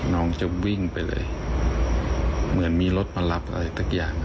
น้องจะวิ่งไปเลยเหมือนมีรถมารับอะไรสักอย่าง